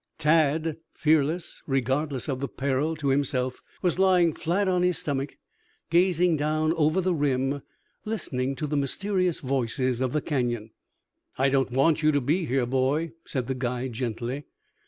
Tad, fearless, regardless of the peril to himself, was lying flat on his stomach gazing down over the rim, listening to the mysterious voices of the Canyon. "I don't want you to be here, boy," said the guide gently.